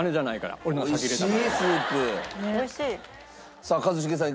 さあ一茂さん